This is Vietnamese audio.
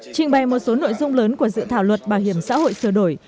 trình bày một số nội dung lớn của dự thảo luật bảo hiểm xã hội sửa đổi